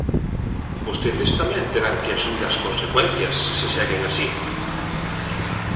Vostedes tamén terán que asumir as consecuencias, se seguen así.